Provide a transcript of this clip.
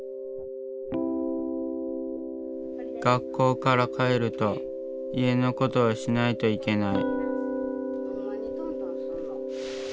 学校から帰ると家のことをしないといけない。